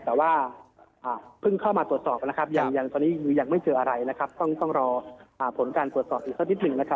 แต่ว่าเพิ่งเข้ามาตรวจสอบนะครับยังตอนนี้ยังไม่เจออะไรนะครับต้องรอผลการตรวจสอบอีกสักนิดหนึ่งนะครับ